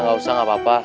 ya gak usah gak apa apa